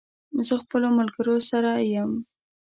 زه خپلو ملګرو سره یم